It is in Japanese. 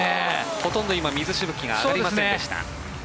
ほとんど今、水しぶきがありませんでした。